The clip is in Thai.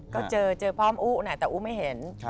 ก็เจอเจอพร้อมอุ๊นะแต่อุ๊ไม่เห็น